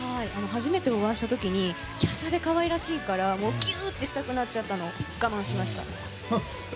初めてお会いした時に華奢で可愛らしいからギューッてしたくなっちゃったのを我慢しました。